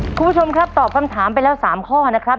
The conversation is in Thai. คุณผู้ชมครับตอบคำถามไปแล้ว๓ข้อนะครับ